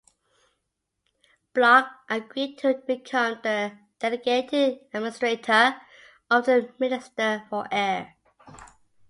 Bloch agreed to become the delegated administrator of the Minister for Air.